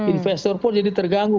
investor pun jadi terganggu